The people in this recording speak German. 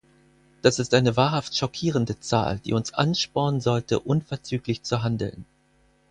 Das ist eine wahrhaft schockierende Zahl, die uns anspornen sollte, unverzüglich zu handeln.